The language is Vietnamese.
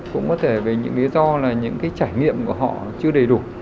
cũng có thể vì những lý do là những cái trải nghiệm của họ chưa đầy đủ